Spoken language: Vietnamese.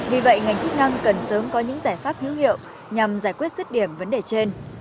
vì vậy ngành chức năng cần sớm có những giải pháp hữu hiệu nhằm giải quyết sức điểm vấn đề trên